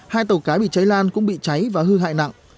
hai tàu cá bị cháy lan cũng bị cháy và hư hại nặng